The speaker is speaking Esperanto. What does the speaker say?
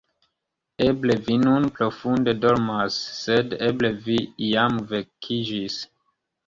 Eble vi nun profunde dormas, sed eble vi jam vekiĝis.